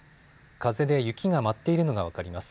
風で雪が舞っているのが分かります。